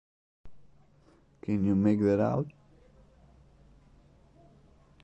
Can you make that out?